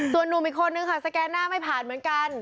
ส่วนหนุ่มอีกคนนึงค่ะสแกนหน้าไม่ผ่านเหมือนกัน